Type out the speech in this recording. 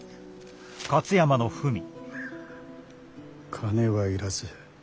「金はいらず。